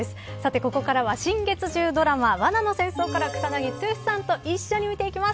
ここからは新月１０ドラマ、罠の戦争から草なぎ剛さんと一緒に見ていきます。